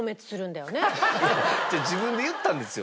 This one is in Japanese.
自分で言ったんですよ。